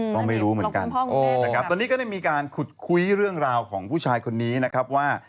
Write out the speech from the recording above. ก็ไม่รู้เหมือนกันนะครับตอนนี้ก็ได้มีการขุดคุยเรื่องราวของผู้ชายคนนี้นะครับว่า